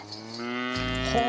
ほう。